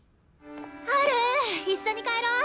ハル一緒に帰ろ。